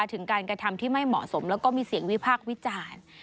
ถึงการกระทำที่ไม่เหมาะสมแล้วก็มีเสียงวิพากษ์วิจารณ์